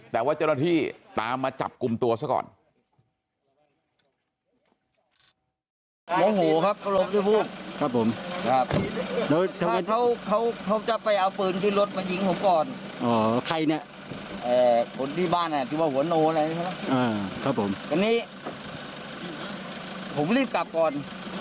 แต่ว่าเจ้าหน้าที่ตามมาจับกลุ่มตัวซะก่อน